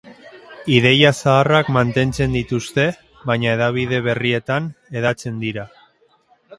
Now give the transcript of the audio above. Ideia zaharrak mantentzen dituzte baina hedabide berrietan hedatzen dira.